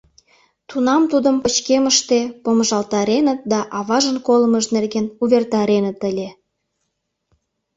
Тунам тудым пычкемыште помыжалтареныт да аважын колымыж нерген увертареныт ыле.